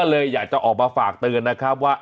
เลยอยากจะออกมาฝากเตือนนะครับว่า